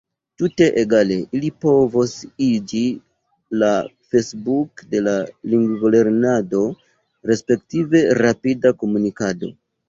Tute egale ili povos iĝi la Facebook de la lingvolernado, respektive rapida komunikado.